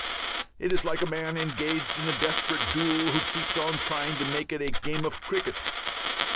It is like a man engaged in a desperate duel who keeps on trying to make it a game of cricket.